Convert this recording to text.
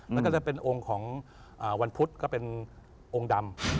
แล้วก็จะเป็นองค์ของวันพุธก็เป็นองค์ดำ